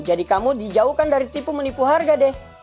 jadi kamu dijauhkan dari tipu menipu harga deh